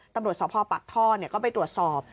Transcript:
ตำรวจศพปักท่อเนี่ยก็ไปตรวจสอบ